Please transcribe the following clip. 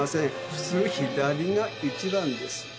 普通左が１番です。